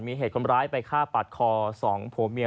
มีเหตุความร้ายไปฆ่าปากคอ๒ผู้เมีย